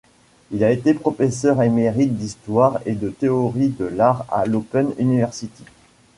Il a été professeur émérite d'histoire et de théorie de l'art à l'Open University.